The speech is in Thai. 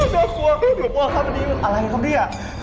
น่ากลัวครับวันนี้เป็นอะไรครับนี่อ่ะ